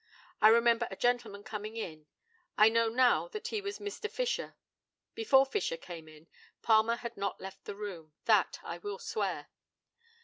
I remember a gentleman coming in. I know now that he was Mr. Fisher. Before Fisher came in, Palmer had not left the room. That I will swear.